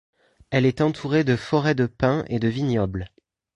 Elle est entourée de forêts de pins et de vignobles.